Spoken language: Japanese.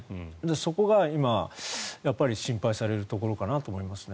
そこが今心配されるところかなと思いますね。